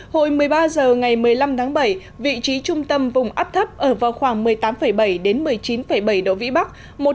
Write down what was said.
hồi một mươi ba h ngày một mươi năm tháng bảy vị trí trung tâm vùng áp thấp ở vào khoảng một mươi tám bảy một mươi chín bảy độ vĩ bắc